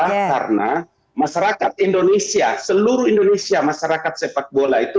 karena masyarakat indonesia seluruh indonesia masyarakat sepak bola itu